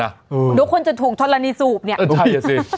นั่งเดี๋ยวคนจะถูกทรณีสูบเนี่ยใช่ใช่